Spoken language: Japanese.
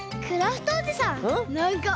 クラフトおじさん！